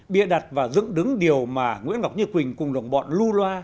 bịa đặt và dựng đứng điều mà nguyễn ngọc như quỳnh cùng đồng bọn lưu loa